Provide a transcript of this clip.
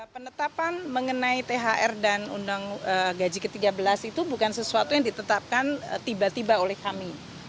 penetapan mengenai thr dan undang gaji ke tiga belas itu bukan sesuatu yang ditetapkan tiba tiba oleh kami